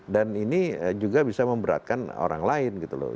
dan ini juga bisa memberatkan orang lain gitu loh